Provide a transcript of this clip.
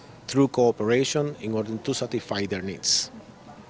melalui kooperasi untuk mencapai kebutuhan mereka